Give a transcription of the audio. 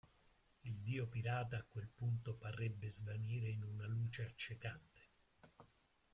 Il dio pirata a quel punto parrebbe svanire in una luce accecante.